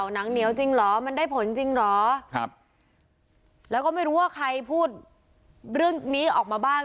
หนังเหนียวจริงเหรอมันได้ผลจริงเหรอครับแล้วก็ไม่รู้ว่าใครพูดเรื่องนี้ออกมาบ้าง